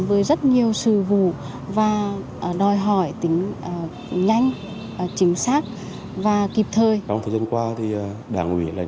với rất nhiều sự vụ và đòi hỏi tính nhanh chính xác và kịp thời trong thời gian qua thì đảng ủy